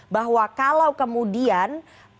bahwa kalau kemudian